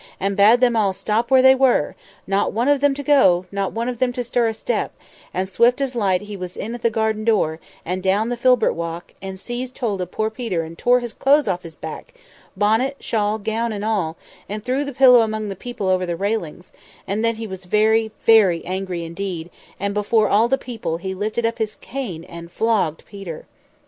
—and bade them all stop where they were—not one of them to go, not one of them to stir a step; and, swift as light, he was in at the garden door, and down the Filbert walk, and seized hold of poor Peter, and tore his clothes off his back—bonnet, shawl, gown, and all—and threw the pillow among the people over the railings: and then he was very, very angry indeed, and before all the people he lifted up his cane and flogged Peter!